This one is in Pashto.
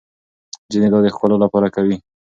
ځينې دا د ښکلا لپاره کوي.